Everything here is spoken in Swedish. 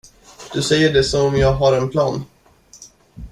Du säger det som om jag har en plan.